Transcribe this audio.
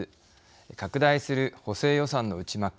拡大する補正予算の内幕。